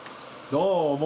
どうも！